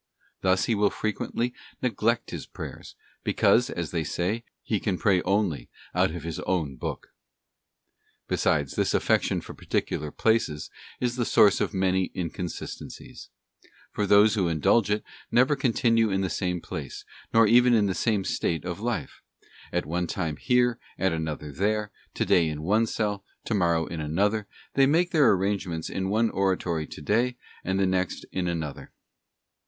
Thus he will frequently neglect his prayers, because, as they say, he can pray only out of his own book. Besides, this affection for particular places is the source of many inconsistencies; for those who indulge it never con tinue in the same place, nor even in the same state of life; at one time here, at another there; to day in one cell, to morrow in another; they make their arrangements in one EXTERIOR MEANS TO INTERIOR PRAYER. 309 oratory to day, and the next in another.